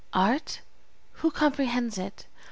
Art! who comprehends it?